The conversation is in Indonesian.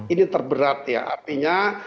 ini terberat ya artinya